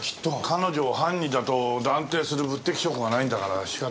彼女を犯人だと断定する物的証拠がないんだから仕方ないな。